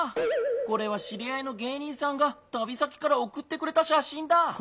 これはしりあいの芸人さんがたび先からおくってくれたしゃしんだ。